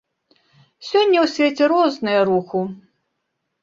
Сёння ў свеце розныя руху.